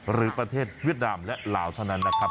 หรือประเทศเวียดนามและลาวเท่านั้นนะครับ